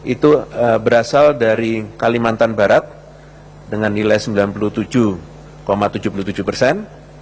itu berasal dari kalimantan barat dengan nilai sembilan puluh tujuh tujuh puluh tujuh persen